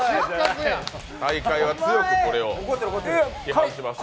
大会は強くこれを批判します。